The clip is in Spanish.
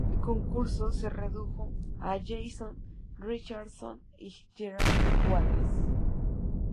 Este concurso se redujo a Jason Richardson y Gerald Wallace.